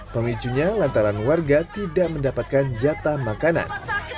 pemicunya lantaran warga tidak mendapatkan jatah makanan